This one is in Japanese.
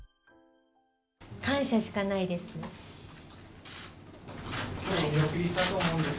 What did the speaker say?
感謝しかないです。